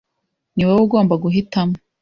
Ni wowe ugomba guhitamo.